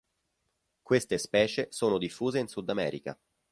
Queste specie sono diffuse in Sudamerica.